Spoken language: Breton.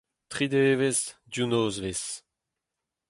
Tri devezh, div nozvezh.